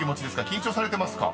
［緊張されてますか？］